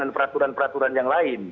dan peraturan peraturan yang lain